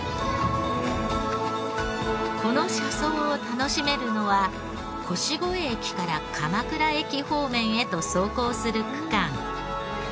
この車窓を楽しめるのは腰越駅から鎌倉駅方面へと走行する区間。